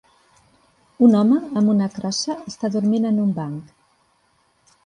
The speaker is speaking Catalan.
Un home amb una crossa està dormint en un banc.